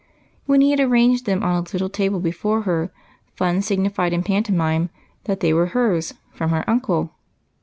When he had arranged them on a little table before her, Fun signified in pantomime that they were hers, from her uncle.